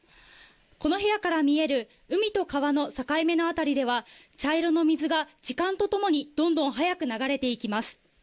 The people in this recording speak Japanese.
この部屋から見える海と川の境目の辺りでは、茶色の水が時間とともにどんどん速く流れていきます。